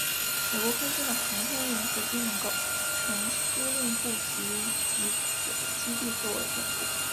美国空军的航天联合机能构成司令部即以此基地为总部。